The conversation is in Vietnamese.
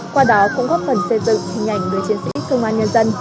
qua đó cũng góp phần xây dựng hình ảnh người chiến sĩ công an nhân dân